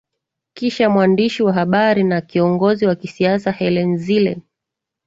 Kisha mwandishi wa habari na kiongozi wa kisiasa Helen Zille